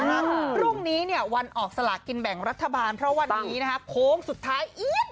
วันนี้วันออกสลากินแบ่งรัฐบาลเพราะวันนี้โค้งสุดท้าย